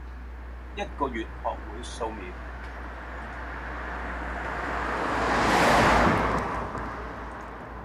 一個月學會素描